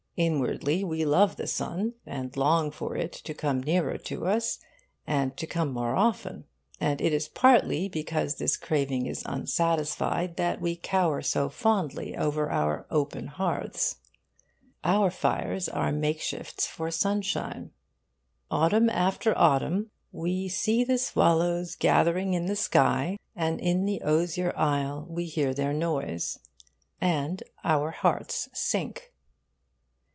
Inwardly, we love the sun, and long for it to come nearer to us, and to come more often. And it is partly because this craving is unsatisfied that we cower so fondly over our open hearths. Our fires are makeshifts for sunshine. Autumn after autumn, 'we see the swallows gathering in the sky, and in the osier isle we hear their noise,' and our hearts sink.